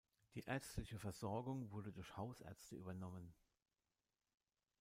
Die ärztliche Versorgung wurde durch Hausärzte übernommen.